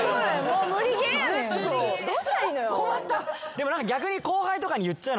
でも逆に。